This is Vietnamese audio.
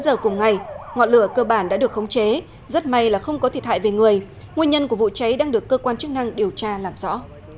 ba giờ cùng ngày ngọn lửa cơ bản đã được khống chế rất may là không có thiệt hại về người nguyên nhân của vụ cháy đang được cơ quan chức năng điều tra làm rõ